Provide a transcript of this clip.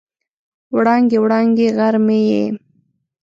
وړانګې، وړانګې غر مې یې